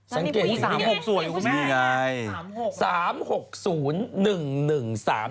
นั่นมี๓๖ส่วนอยู่คุณแม่นี่ไง